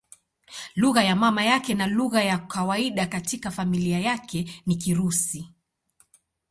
Lugha ya mama yake na lugha ya kawaida katika familia yake ni Kirusi.